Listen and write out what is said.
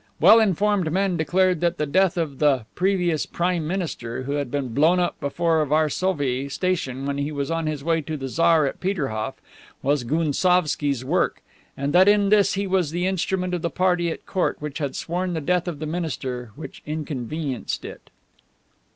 Well informed men declared that the death of the previous "prime minister," who had been blown up before Varsovie station when he was on his way to the Tsar at Peterhof, was Gounsovski's work and that in this he was the instrument of the party at court which had sworn the death of the minister which inconvenienced it.